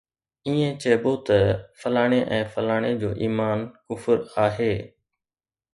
ائين چئبو ته فلاڻي ۽ فلاڻي جو ايمان ڪفر آهي